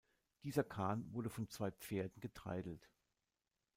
Dieser Kahn wurde von zwei Pferden getreidelt.